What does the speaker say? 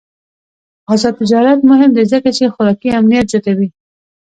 آزاد تجارت مهم دی ځکه چې خوراکي امنیت زیاتوي.